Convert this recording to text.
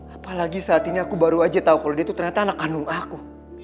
apalagi saat ini aku baru aja tahu kalau dia itu ternyata anak kandung aku